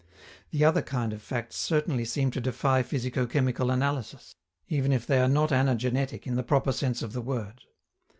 The other kind of facts certainly seem to defy physico chemical analysis, even if they are not anagenetic in the proper sense of the word.